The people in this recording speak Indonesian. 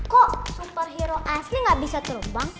kok superhero asli nggak bisa terbang